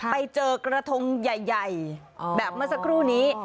ไปเจอกระทงใหญ่แบบเมื่อสักครู่นี้